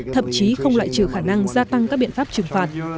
thậm chí không loại trừ khả năng gia tăng các biện pháp trừng phạt